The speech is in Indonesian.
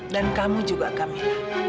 dan kamu juga kamila